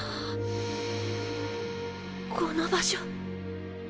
この場所。